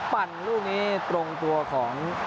ปั่นลูกนี้ตรงตัวของ